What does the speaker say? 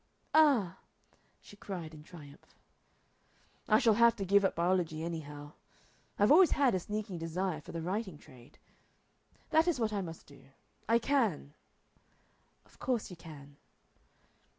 "Ah!" she cried in triumph. "I shall have to give up biology, anyhow. I've always had a sneaking desire for the writing trade. That is what I must do. I can." "Of course you can."